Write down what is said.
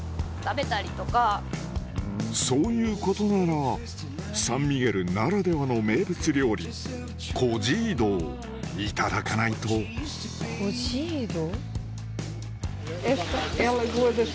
そういうことならサン・ミゲルならではの名物料理コジードをいただかないとコジード？